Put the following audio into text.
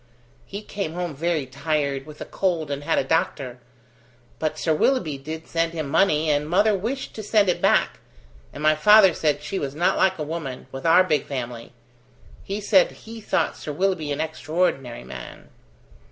"He came home very tired, with a cold, and had a doctor. But Sir Willoughby did send him money, and mother wished to send it back, and my father said she was not like a woman with our big family. He said he thought Sir Willoughby an extraordinary man."